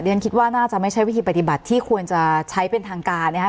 คิดว่าน่าจะไม่ใช่วิธีปฏิบัติที่ควรจะใช้เป็นทางการนะครับ